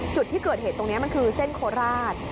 จุดที่เกิดเหตุตรงนี้มันคือเส้นโคราช